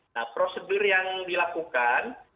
nah prosedur yang dilakukan